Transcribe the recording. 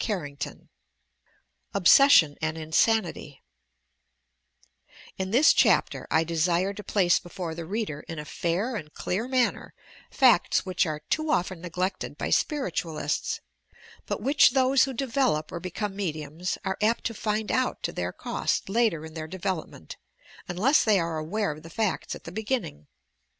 CHAPTER XXIII OBSESSION AND INSANITY 4 In this chapter, I desire to place before the reader in a fair and clear manner facts which are too often neg lected by Spiritualists, but which those who develop or become mediums are apt to find out to their cost later in their development, unless they arc aware of the facts at the beginning.